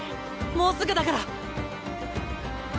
もうすぐだから！